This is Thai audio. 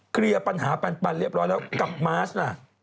เคลียร์ปัญหาปันเรียบร้อยแล้วกับมาสน่ะ